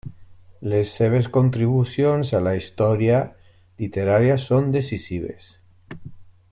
Les seves contribucions a la història literària són decisives.